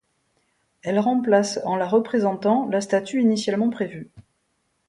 Elle remplace, en la représentant, la statue initialement prévue.